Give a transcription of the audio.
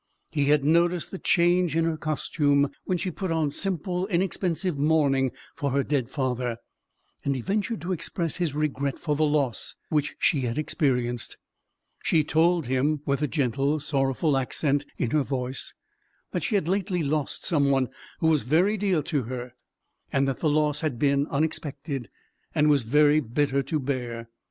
He had noticed the change in her costume, when she put on simple inexpensive mourning for her dead father; and he ventured to express his regret for the loss which she had experienced. She told him, with a gentle sorrowful accent in her voice, that she had lately lost some one who was very dear to her; and that the loss had been unexpected, and was very bitter to bear.